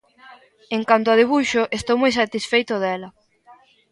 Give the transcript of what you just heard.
En canto a debuxo, estou moi satisfeito dela.